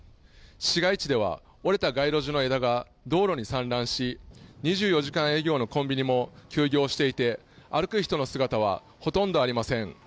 市街地では、折れた街路樹の枝が道路に散乱し、２４時間営業のコンビニも休業していて、歩く人の姿はほとんどありません。